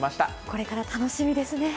これから楽しみですね。